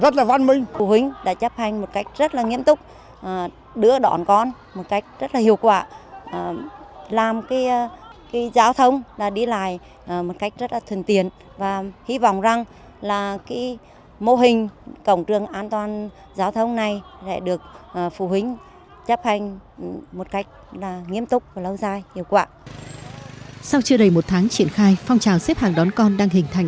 sau chưa đầy một tháng triển khai phong trào xếp hàng đón con đang hình thành